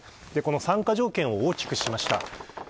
参加条件を大きくしました。